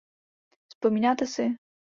Vzpomínáte si?